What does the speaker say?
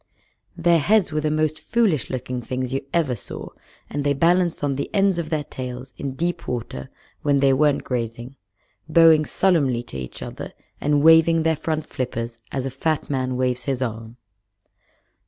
Their heads were the most foolish looking things you ever saw, and they balanced on the ends of their tails in deep water when they weren't grazing, bowing solemnly to each other and waving their front flippers as a fat man waves his arm.